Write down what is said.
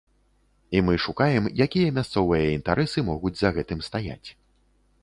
І мы шукаем, якія мясцовыя інтарэсы могуць за гэтым стаяць.